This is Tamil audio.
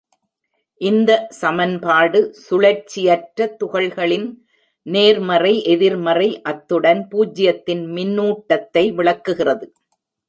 இந்த சமன்பாடு சுழற்சியற்ற துகள்களின் நேர்மறை, எதிர்மறை அத்துடன் பூஜ்யத்தின் மின்னூட்டத்தை விளக்குகிறது.